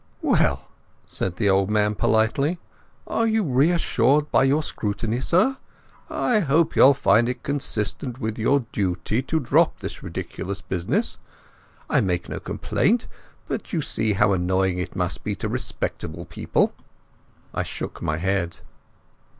"Well," said the old man politely, "are you reassured by your scrutiny, sir?" I couldn't find a word. "I hope you'll find it consistent with your duty to drop this ridiculous business. I make no complaint, but you'll see how annoying it must be to respectable people." I shook my head.